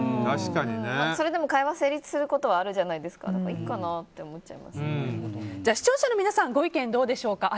それでも会話が成立することは視聴者の皆さんご意見どうでしょうか。